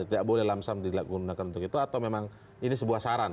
tidak boleh lamsam digunakan untuk itu atau memang ini sebuah saran